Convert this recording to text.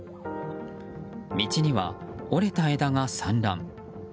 道には折れた枝が散乱。